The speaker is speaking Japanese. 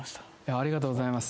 ありがとうございます。